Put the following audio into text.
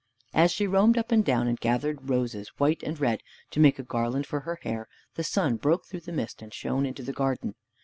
As she roamed up and down and gathered roses white and red to make a garland for her hair, the sun broke through the mist and shone into the garden.